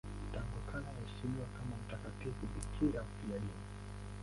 Tangu kale anaheshimiwa kama mtakatifu bikira mfiadini.